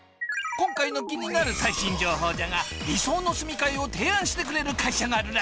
今回の気になる最新情報じゃが理想の住みかえを提案してくれる会社があるらしい。